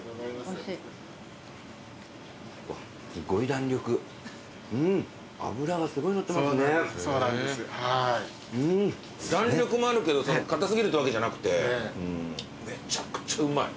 弾力もあるけど硬過ぎるってわけじゃなくてめちゃくちゃうまい。